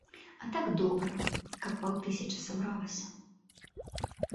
А так добра, каб паўтысячы сабралася.